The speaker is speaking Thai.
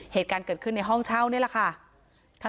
เหตุการณ์เกิดขึ้นในห้องเช่านี่แหละค่ะ